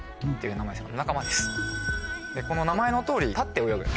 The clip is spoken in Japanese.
この名前のとおり立って泳ぐ。